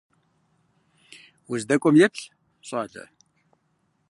Уздэкӏуэм еплъ, щӏалэ!